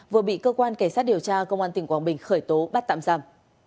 vừa bị cơ quan cảnh sát điều tra công an tỉnh quảng bình khởi tố bắt tạm giam